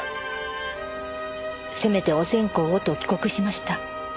せめてお線香をと帰国しました。